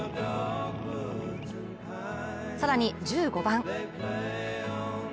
更に１５番。